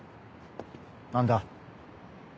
何だ。